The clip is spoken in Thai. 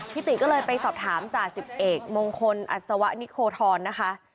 ติก็เลยไปสอบถามจ่าสิบเอกมงคลอัศวะนิโคทรนะคะ